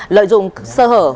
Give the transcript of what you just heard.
lợi dụng sơ hở